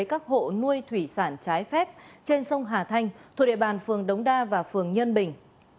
các hộ nuôi thủy sản trái phép trên sông hà thanh thuộc địa bàn phường đống đa và phường nhân bình